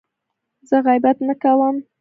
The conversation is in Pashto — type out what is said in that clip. زه غیبت نه کوم.